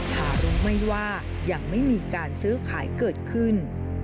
หากรู้ไหมว่ายังไม่มีการซื้อขายเกิดขึ้น